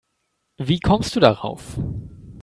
Wie kommst du darauf?